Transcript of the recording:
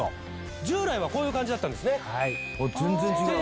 従来はこういう感じだったんですね。